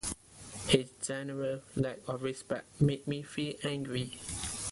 His general lack of respect makes me feel angry!